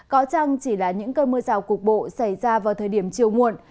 có chăng chỉ là những cơn mưa rào cục bộ xảy ra vào thời điểm chiều muộn